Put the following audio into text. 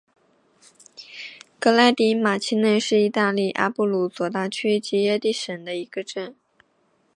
科莱迪马奇内是意大利阿布鲁佐大区基耶蒂省的一个镇。